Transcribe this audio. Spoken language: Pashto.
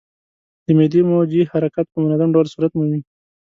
د معدې موجې حرکات په منظم ډول صورت مومي.